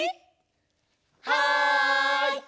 はい！